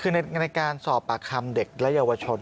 คือในการสอบปากคำเด็กและเยาวชน